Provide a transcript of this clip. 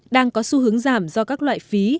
đang có xu hướng giảm do các loại phí